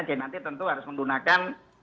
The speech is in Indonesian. jadi nanti tentu harus menggunakan